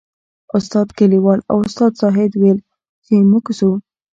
استاد کلیوال او استاد زاهد ویل چې موږ ځو.